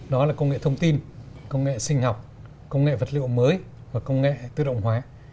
đó là công nghệ thông tin công nghệ sinh học công nghệ vật liệu mới và công nghệ tự động hóa